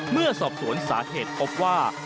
เมื่อสอบสวนสาเหตุพบว่า